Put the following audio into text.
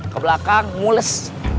ke belakang mules